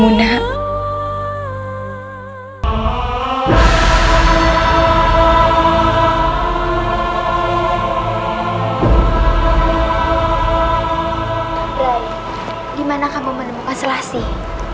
dimana kamu menemukan selasih